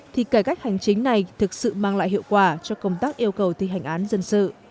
thì cải cách hành chính này thực sự mang lại hiệu quả cho công tác yêu cầu thi hành án dân sự